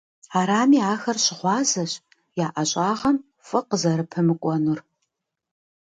Арами, ахэр щыгъуазэщ я ӏэщӏагъэм фӏы къызэрыпэмыкӏуэнур.